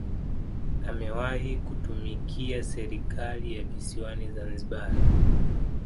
Amewahi kutumikia serikali ya visiwani Zanzibar